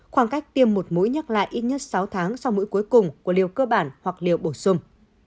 khoảng cách tiêm một mũi nhắc lại ít nhất sáu tháng sau mũi cuối cùng của liều cơ bản hoặc liều bổ sung